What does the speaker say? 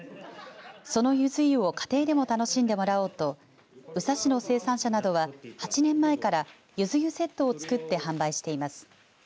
そのゆず湯を家庭でも楽しんでもらおうと宇佐市の生産者などは８年前からゆず湯セットをつくって販売しています。